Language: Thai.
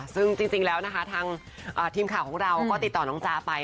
ซึ่งจริงแล้วนะคะทางทีมข่าวของเราก็ติดต่อน้องจ้าไป